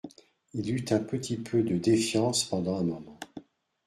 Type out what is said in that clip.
«Il eut un petit peu de défiance pendant un moment.